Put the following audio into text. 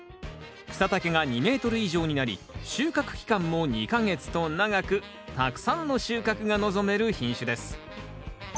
草丈が２ｍ以上になり収穫期間も２か月と長くたくさんの収穫が望める品種です。